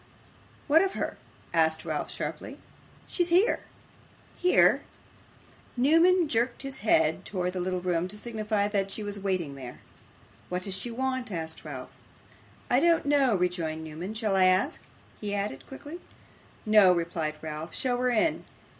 'What of her?' asked Ralph sharply. 'She's here.' 'Here!' Newman jerked his head towards his little room, to signify that she was waiting there. 'What does she want?' asked Ralph. 'I don't know,' rejoined Newman. 'Shall I ask?' he added quickly. 'No,' replied Ralph. 'Show her in!